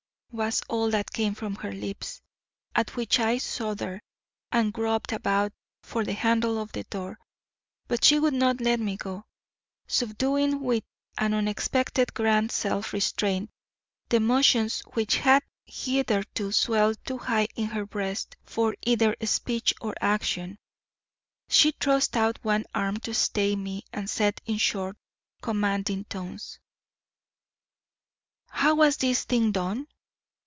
was all that came from her lips. At which I shuddered and groped about for the handle of the door. But she would not let me go. Subduing with an unexpected grand self restraint the emotions which had hitherto swelled too high in her breast for either speech or action, she thrust out one arm to stay me and said in short, commanding tones: "How was this thing done?